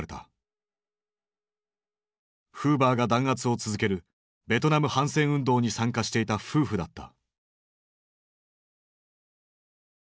フーバーが弾圧を続けるベトナム反戦運動に参加していた夫婦だった。